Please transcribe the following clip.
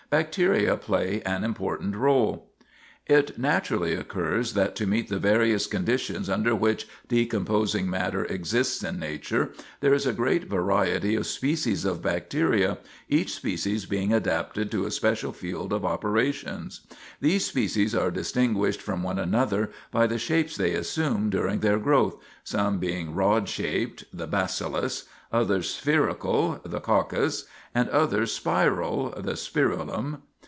bacteria play an important rôle." [Sidenote: Bacteria for Every Condition] It naturally occurs that to meet the various conditions under which decomposing matter exists in nature there is a great variety of species of bacteria, each species being adapted to a special field of operations. These species are distinguished from one another by the shapes they assume during their growth, some being rod shaped (the bacillus), others spherical (the coccus), and others spiral (the spirillum).